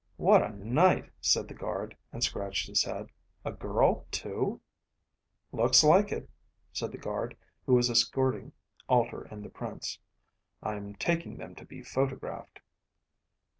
"What a night," said the guard and scratched his head. "A girl too?" "Looks like it," said the guard who was escorting Alter and the Prince. "I'm taking them to be photographed."